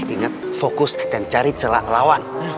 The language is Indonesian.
ingat fokus dan cari celah lawan